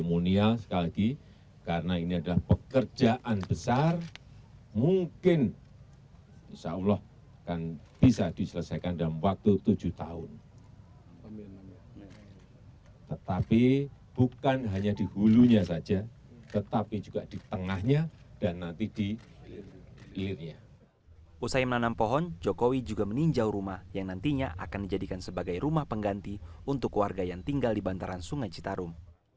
usai menanam pohon jokowi juga meninjau rumah yang nantinya akan dijadikan sebagai rumah pengganti untuk keluarga yang tinggal di bantaran sungai citarum